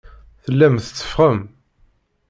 Tellam tetteffɣem.